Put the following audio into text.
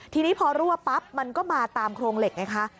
ทีนี้พอรั่วปั๊บมันก็มาตามโครงเหล็กไงคะ